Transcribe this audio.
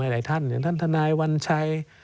หลายท่านอย่างท่านทนายวัญชัย